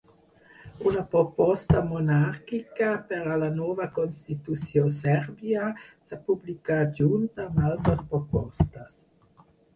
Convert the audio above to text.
Una proposta monàrquica per a la nova constitució sèrbia s"ha publicat junt amb altres propostes.